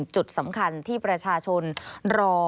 จุดสำคัญที่ประชาชนรอ